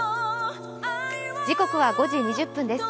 時刻は５時２０分です。